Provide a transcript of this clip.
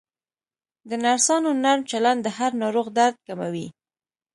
د نرسانو نرم چلند د هر ناروغ درد کموي.